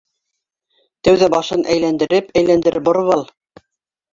Тәүҙә башын әйләндереп-әйләндереп бороп ал!